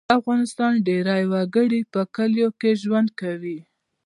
د افغانستان ډیری وګړي په کلیو کې ژوند کوي